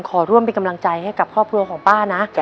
ขอร่วมเป็นกำลังใจให้กับครอบครัวของป้านะ